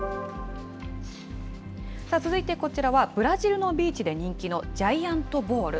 さあ、続いてこちらはブラジルのビーチで人気のジャイアントボール。